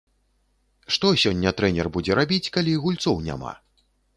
Што сёння трэнер будзе рабіць, калі гульцоў няма?